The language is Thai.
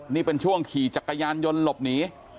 นี่เป็นช่วงขี่จักรยานยนต์หลบหนี